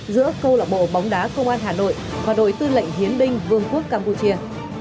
giữa câu lạc bộ bóng đá công an hà nội và đội tư lệnh hiến binh vương quốc campuchia